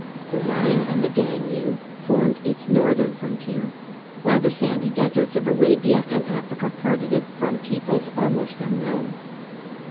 The Rhine and the ^^cce%ed Danube formed its northern frontier ; while byAugustus. sandy deserts of Arabia and Africa parted it from peoples almost unknown.